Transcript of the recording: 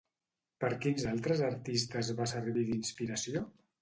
Per quins altres artistes va servir d'inspiració?